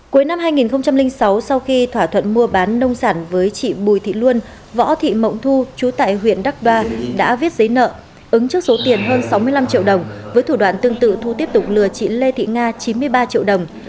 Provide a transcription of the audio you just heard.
cuối năm hai nghìn sáu sau khi thỏa thuận mua bán nông sản với chị bùi thị luôn võ thị mộng thu chú tại huyện đắk đoa đã viết giấy nợ ứng trước số tiền hơn sáu mươi năm triệu đồng với thủ đoạn tương tự thu tiếp tục lừa chị lê thị nga chín mươi ba triệu đồng